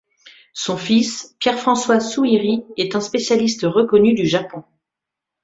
Son fils, Pierre François Souyri, est un spécialiste reconnu du Japon.